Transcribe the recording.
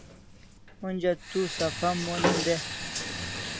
Onja tu sapha mon de